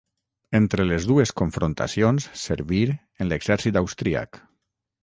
Entre les dues confrontacions servir en l'exèrcit austríac.